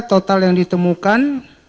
total yang ditemukan